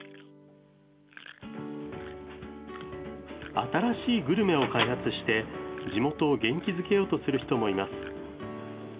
新しいグルメを開発して、地元を元気づけようとする人もいます。